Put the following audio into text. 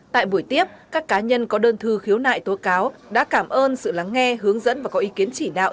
tại buổi tiếp các cá nhân có đơn thư khiếu nại tố cáo đã cảm ơn sự lắng nghe hướng dẫn và có ý kiến chỉ đạo